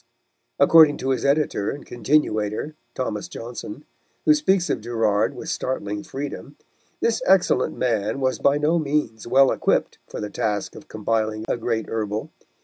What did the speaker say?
According to his editor and continuator, Thomas Johnson, who speaks of Gerard with startling freedom, this excellent man was by no means well equipped for the task of compiling a great Herbal.